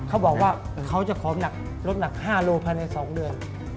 เขาบอกว่าเขาจะขอหนักลดหนัก๕โลภายใน๒เดือน